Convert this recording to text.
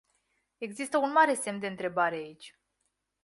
Există un mare semn de întrebare aici.